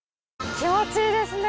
気持ちいいですね。